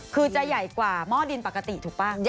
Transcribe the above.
คือจะใหญ่กว่าหม้อดินปกติถูกป่ะ